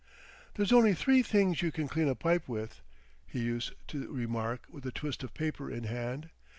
"There's only three things you can clean a pipe with," he used to remark with a twist of paper in hand.